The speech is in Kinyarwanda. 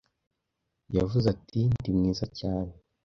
yavuze ati ndi mwiza cyane